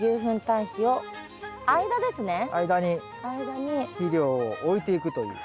間に肥料を置いていくという。